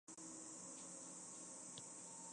小叶蹄盖蕨为蹄盖蕨科蹄盖蕨属下的一个种。